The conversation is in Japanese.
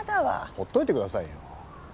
ほっといてくださいよ。